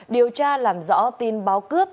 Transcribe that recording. điều tra làm rõ tin báo cướp